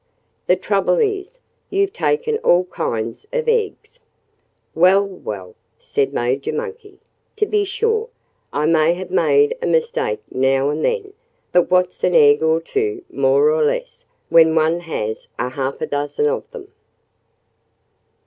"The trouble is, you've taken all kinds of eggs." "Well, well!" said Major Monkey. "To be sure, I may have made a mistake now and then. But what's an egg or two, more or less, when one has a half dozen of them?"